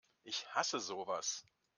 Ich hasse sowas!